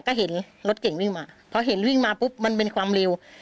ก็เห็นรถเก่งวิ่งมาพอเห็นวิ่งมาปุ๊บมันเป็นความเร็ว